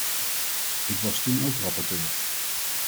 Ik was toen ook rapporteur.